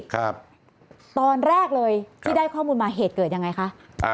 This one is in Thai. ครับตอนแรกเลยที่ได้ข้อมูลมาเหตุเกิดยังไงคะอ่า